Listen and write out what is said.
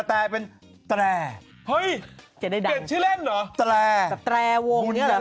พี่หนุ่มก็รู้จัก